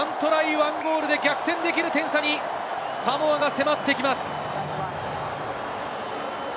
１ゴールで逆転できる点差にサモアが迫ってきます。